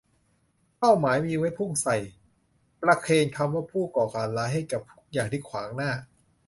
เป้าหมายมีไว้พุ่งใส่ ประเคนคำว่าผู้ก่อการร้ายให้กับทุกอย่างที่ขวางหน้า